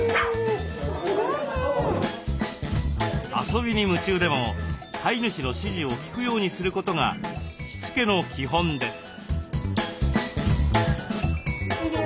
遊びに夢中でも飼い主の指示を聞くようにすることがしつけの基本です。